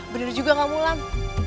bener juga gak mau ulang